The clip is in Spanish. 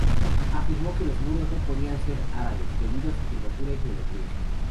Afirmó que los muros no podían ser árabes, debido a su curvatura y geometría.